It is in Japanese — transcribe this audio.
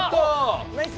ナイス！